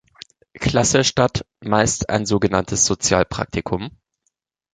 Klasse statt, meist ein sogenanntes Sozialpraktikum.